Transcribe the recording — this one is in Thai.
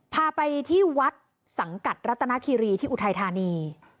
พาไปที่วัดสังกัดรัตนาคีรีที่อุทัยธานี